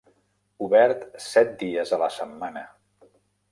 Obert set dies a la setmana.